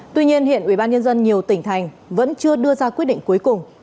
tuy nhiên hiện ủy ban nhân dân nhiều tỉnh thành vẫn chưa đưa ra quyết định cuối cùng